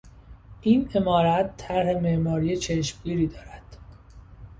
این عمارت طرح معماری چشمگیری دارد.